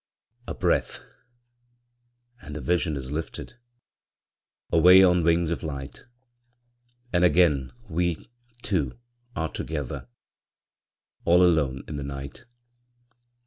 A breath, and the vision is lifted Away on wings of light, And again we two are together, All alone in the night.